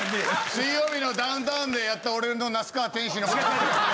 『水曜日のダウンタウン』でやった俺の那須川天心のこと言ってんのか。